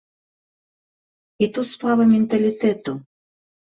І тут справа менталітэту.